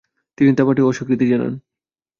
তিনি তা পাঠে অস্বীকৃতি জানান।